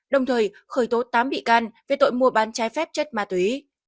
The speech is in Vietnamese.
đồng thời khởi tố tám bị can về tội mua bán trái phép chất ma túy